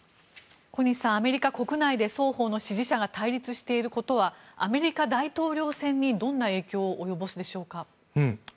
小西さん、アメリカ国内で双方の支持者が対立していることはアメリカ大統領選にどんな影響を及ぼすでしょうか？